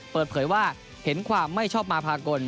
เปิดเผยว่าเห็นความไม่ชอบมาพากล